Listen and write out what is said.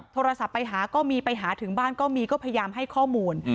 โทรศัพท์ไปหาก็มีไปหาถึงบ้านก็มีก็พยายามให้ข้อมูล